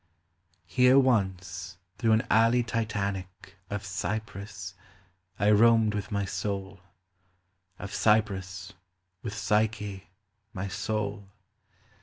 Here once, through an alley Titanic Of cypress, I roamed Avith my Soul — Of cypress, with Psyche, my Soul.